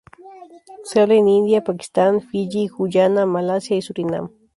Se habla en India, Pakistán, Fiyi, Guyana, Malasia y Surinam.